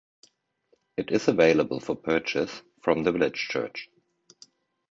It is available for purchase from the village church.